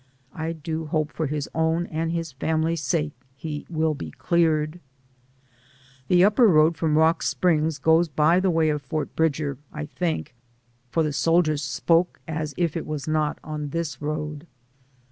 I do hope for his own and his family's sake he will be cleared. The upper road from Rock Springs goes by the way of Fort Bridger, I think, for the soldiers spoke as if it was not on this road.